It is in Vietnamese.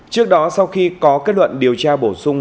trước đó sau khi có kết luận điều tra bổ sung